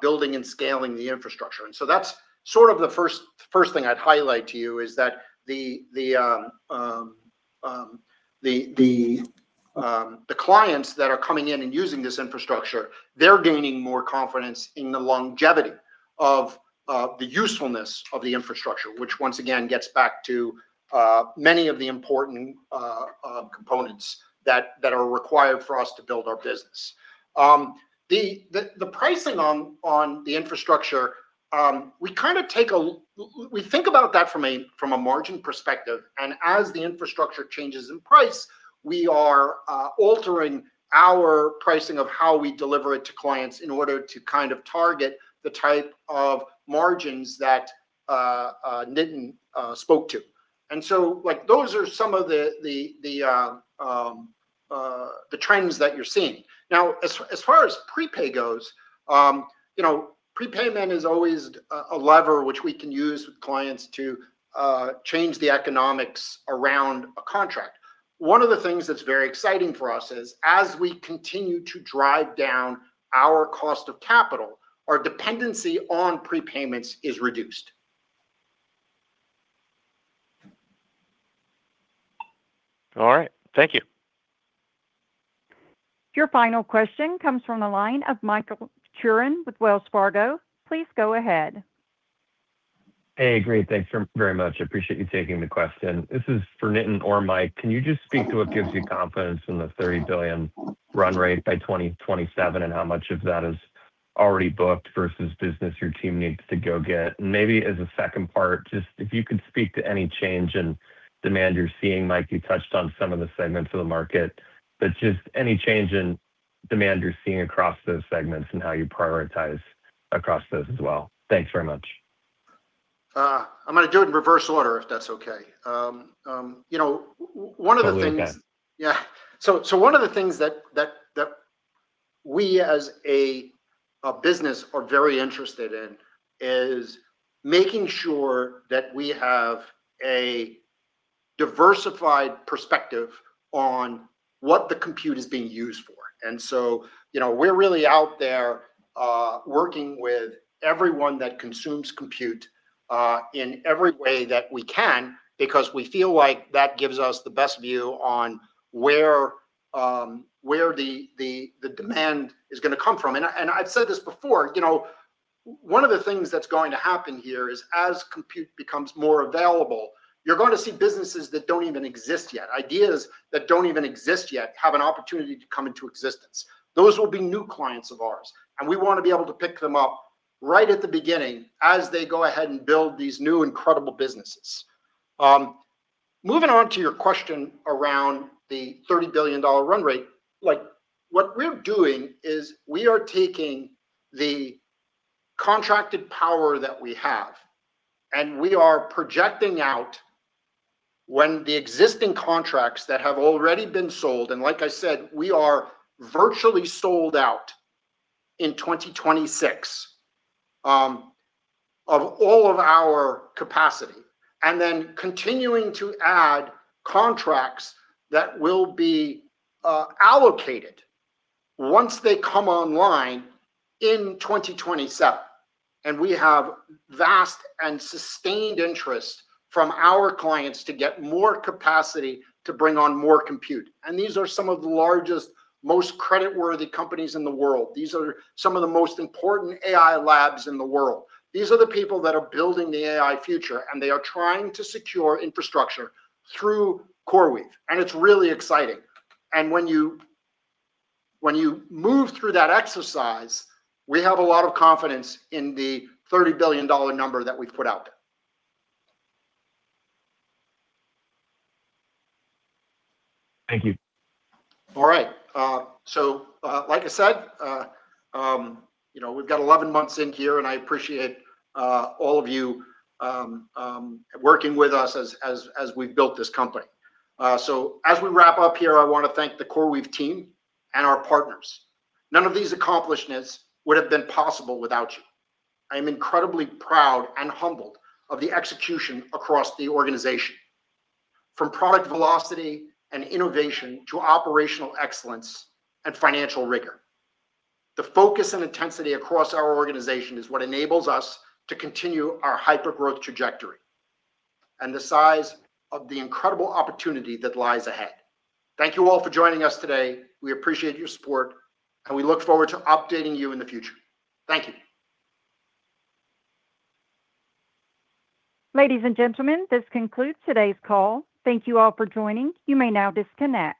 building and scaling the infrastructure. That's sort of the first thing I'd highlight to you is that the clients that are coming in and using this infrastructure, they're gaining more confidence in the longevity of the usefulness of the infrastructure, which once again gets back to many of the important components that are required for us to build our business. The pricing on the infrastructure, we kind of think about that from a margin perspective. As the infrastructure changes in price, we are altering our pricing of how we deliver it to clients in order to kind of target the type of margins that Nitin spoke to. Like, those are some of the trends that you're seeing. Now as far as prepay goes, you know, prepayment is always a lever which we can use with clients to change the economics around a contract. One of the things that's very exciting for us is, as we continue to drive down our cost of capital, our dependency on prepayments is reduced. All right. Thank you. Your final question comes from the line of Michael Turrin with Wells Fargo. Please go ahead. Hey, great. Thanks very much. I appreciate you taking the question. This is for Nitin or Mike. Can you just speak to what gives you confidence in the $30 billion run rate by 2027, and how much of that is already booked versus business your team needs to go get? Maybe as a second part, just if you could speak to any change in demand you're seeing. Mike, you touched on some of the segments of the market, but just any change in demand you're seeing across those segments and how you prioritize across those as well. Thanks very much. I'm gonna do it in reverse order, if that's okay. you know. Totally good. Yeah. One of the things that we as a business are very interested in is making sure that we have a diversified perspective on what the compute is being used for. You know, we're really out there working with everyone that consumes compute in every way that we can because we feel like that gives us the best view on where the demand is gonna come from. I've said this before, you know, one of the things that's going to happen here is as compute becomes more available, you're going to see businesses that don't even exist yet, ideas that don't even exist yet have an opportunity to come into existence. Those will be new clients of ours, and we want to be able to pick them up right at the beginning as they go ahead and build these new incredible businesses. Moving on to your question around the $30 billion run rate, like what we're doing is we are taking the contracted power that we have, and we are projecting out when the existing contracts that have already been sold, and like I said, we are virtually sold out in 2026, of all of our capacity and then continuing to add contracts that will be allocated once they come online in 2027. We have vast and sustained interest from our clients to get more capacity to bring on more compute. These are some of the largest, most credit-worthy companies in the world. These are some of the most important AI labs in the world. These are the people that are building the AI future, and they are trying to secure infrastructure through CoreWeave, and it's really exciting. When you, when you move through that exercise, we have a lot of confidence in the $30 billion number that we've put out there. Thank you. All right. Like I said, you know, we've got 11 months in here, and I appreciate all of you working with us as we've built this company. As we wrap up here, I wanna thank the CoreWeave team and our partners. None of these accomplishments would have been possible without you. I am incredibly proud and humbled of the execution across the organization. From product velocity and innovation to operational excellence and financial rigor, the focus and intensity across our organization is what enables us to continue our hyper growth trajectory and the size of the incredible opportunity that lies ahead. Thank you all for joining us today. We appreciate your support, and we look forward to updating you in the future. Thank you. Ladies and gentlemen, this concludes today's call. Thank you all for joining. You may now disconnect.